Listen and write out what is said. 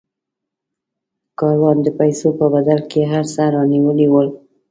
کاروان د پیسو په بدل کې هر څه رانیولي ول.